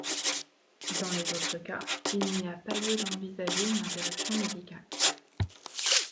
Dans les autres cas, il n'y a pas lieu d'envisager une interruption médicale.